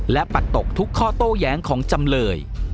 และปัดตกทุกข้อโต้แย้งของจำเลย